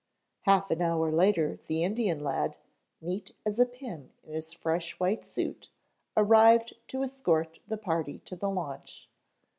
Half an hour later the Indian lad, neat as a pin in his fresh white suit, arrived to escort the party to the launch.